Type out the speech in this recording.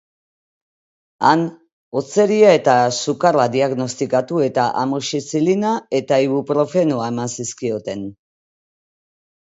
Han, hotzeria eta sukarra diagnostikatu eta amoxizilina eta ibuprofenoa eman zizkioten.